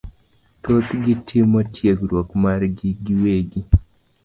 Thothgi timo tiegruok margi giwegi